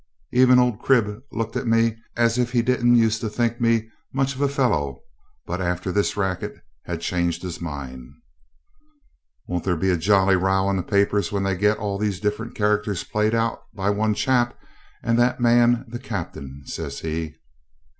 Even old Crib looked at me as if he didn't use to think me much of a fellow, but after this racket had changed his mind. 'Won't there be a jolly row in the papers when they get all these different characters played by one chap, and that man the Captain?' says he.